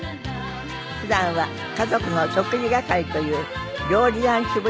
普段は家族の食事係という料理男子ぶりも伺います。